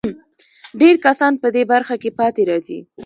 ډېر کسان په دې برخه کې پاتې راځي.